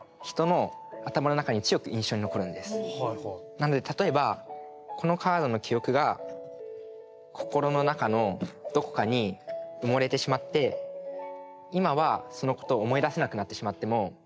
なので例えばこのカードの記憶が心の中のどこかに埋もれてしまって今はそのことを思い出せなくなってしまっても。